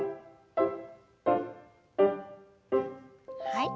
はい。